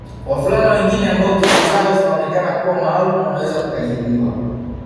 Wavulana wengine ambao kesi zao zinaonekana kuwa maalum wanaweza kutahiriwa